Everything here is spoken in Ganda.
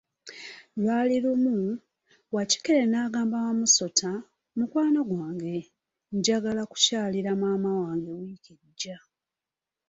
Lwali lumu, Wakikere n'agamba Wamusota, mukwano gwange, njagala kukyalira maama wange wiiki ejja.